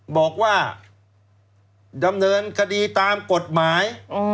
บอกว่าดำเนินคดีตามกฎหมาย